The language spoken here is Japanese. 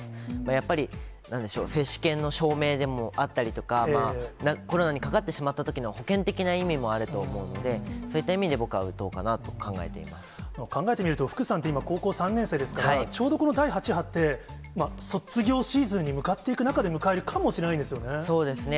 やっぱり、なんでしょう、接種券の証明でもあったりだとか、コロナにかかってしまったときの保険的な意味もあると思うので、そういった意味で、僕は打とうか考えてみると福さんって、高校３年生ですから、ちょうどこの第８波って、卒業シーズンに向かっていく中で迎えるかもしれないですよね。